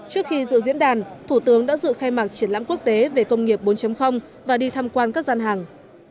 trước khi dự diễn đàn thủ tướng đã dự khai mạc triển lãm quốc tế về công nghiệp bốn và đi tham quan các gian hàng